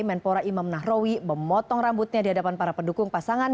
menpora imam nahrawi memotong rambutnya di hadapan para pendukung pasangan